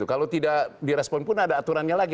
kalau tidak direspon pun ada aturannya lagi